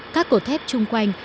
các cổ thép chung quanh